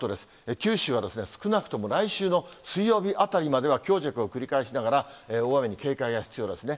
九州は少なくとも来週の水曜日あたりまでは、強弱を繰り返しながら、大雨に警戒が必要ですね。